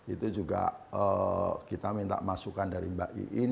itu juga kita minta masukan dari mbak iin